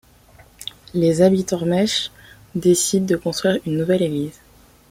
Les habitants Rmeich décident de construire une nouvelle église.